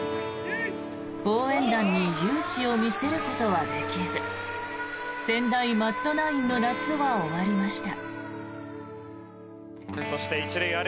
応援団に雄姿を見せることはできず専大松戸ナインの夏は終わりました。